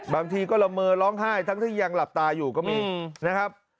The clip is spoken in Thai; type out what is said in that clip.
บางทีก็ละเมอร้องไห้ทั้งที่ยังหลับตาอยู่ก็มีนะครับ